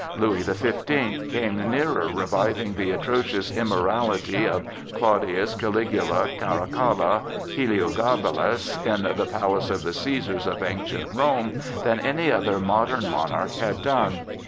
Louis the Fifteenth came nearer reviving the atrocious immorality of Claudius, Caligula, Caracalla, Heliogabalus in the palace of the Cæsars of ancient Rome, than any other modern monarch had done.